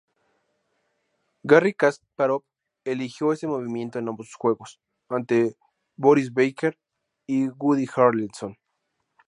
Garry Kasparov eligió este movimiento en ambos juegos, ante Boris Becker y Woody Harrelson.